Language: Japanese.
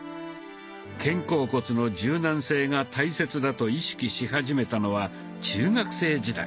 肩甲骨の柔軟性が大切だと意識し始めたのは中学生時代。